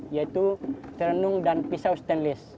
yaitu terenung dan pisau stainless